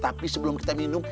tapi sebelum kita minum